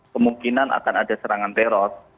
kemungkinan akan ada serangan teror